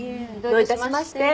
どういたしまして。